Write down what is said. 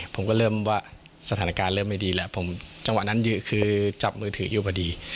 ผมก็เริ่มว่าสถานการณ์เริ่มไม่ดีแล้วผมจังหวะนั้นคือจับมือถืออยู่พอดี